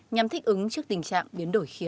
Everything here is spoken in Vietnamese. nhằm thích ứng trước tình trạng biến đổi khí hậu